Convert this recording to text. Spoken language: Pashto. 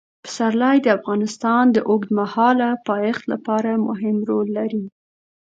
پسرلی د افغانستان د اوږدمهاله پایښت لپاره مهم رول لري.